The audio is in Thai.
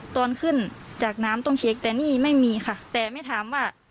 ตอนขึ้นจากน้ำต้องเช็คแต่นี่ไม่มีค่ะแต่ไม่ถามว่า